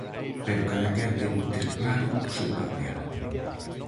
Pero cadaquén debe ter claro o seu papel.